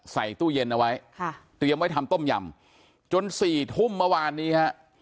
ใส่ตู้เย็นเอาไว้ค่ะเตรียมไว้ทำต้มยำจนสี่ทุ่มเมื่อวานนี้ฮะ